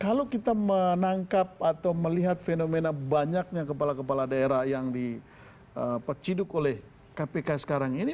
kalau kita menangkap atau melihat fenomena banyaknya kepala kepala daerah yang dipeciduk oleh kpk sekarang ini